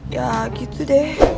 ya gitu deh